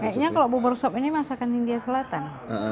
kayaknya kalau bubur sop ini masakan india selatan